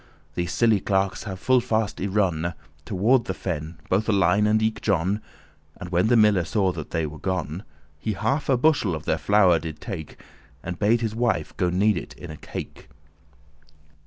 *" *fool These silly clerkes have full fast y run Toward the fen, both Alein and eke John; And when the miller saw that they were gone, He half a bushel of their flour did take, And bade his wife go knead it in a cake.